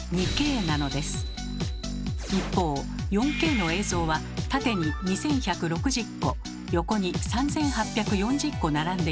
一方４Ｋの映像は縦に２，１６０個横に３，８４０個並んでいます。